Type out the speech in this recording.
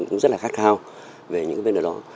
cũng rất là khát khao về những bên đó